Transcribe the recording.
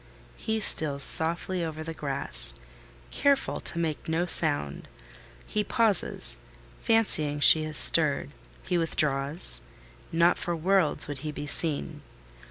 He steals softly over the grass, careful to make no sound; he pauses—fancying she has stirred: he withdraws: not for worlds would he be seen.